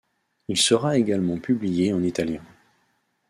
Il sera également publié en italien.